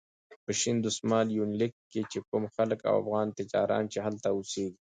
په شین دسمال یونلیک کې چې کوم خلک او افغان تجاران چې هلته اوسېږي.